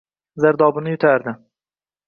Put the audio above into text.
Zardobini yutardi.